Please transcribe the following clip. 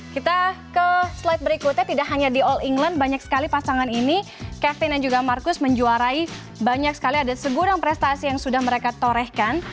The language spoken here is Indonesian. kita ke slide berikutnya tidak hanya di all england banyak sekali pasangan ini kevin dan juga marcus menjuarai banyak sekali ada segudang prestasi yang sudah mereka torehkan